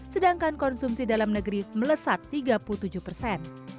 sedangkan konsumsi dalam negeri melesat tiga puluh tujuh persen